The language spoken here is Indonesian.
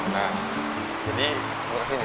nah jadi gue kesini